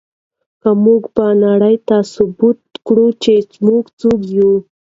موږ به نړۍ ته ثابته کړو چې موږ څوک یو.